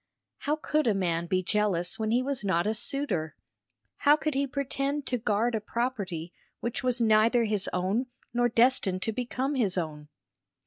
How could a man be jealous when he was not a suitor? how could he pretend to guard a property which was neither his own nor destined to become his own?